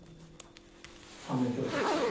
反面教師ですけど。